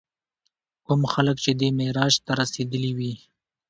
کوم خلک چې دې معراج ته رسېدلي وي.